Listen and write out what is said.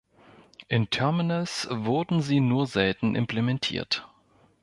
In Terminals wurden sie nur selten implementiert.